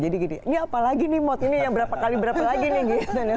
jadi gini ini apalagi nih mod ini yang berapa kali berapa lagi nih